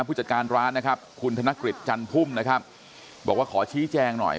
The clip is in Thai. ผู้จัดการร้านนะครับคุณธนกฤษจันพุ่มนะครับบอกว่าขอชี้แจงหน่อย